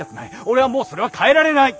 俺はもうそれは変えられない！